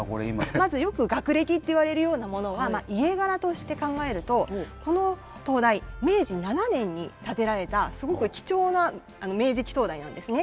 まずよく学歴っていわれるようなものは家柄として考えるとこの灯台明治７年に建てられたすごく貴重な明治期灯台なんですね。